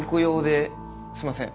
すいません。